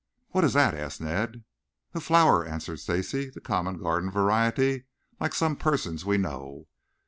"What is that?" asked Ned. "A flower," answered Stacy. "The common garden variety, like some persons we know."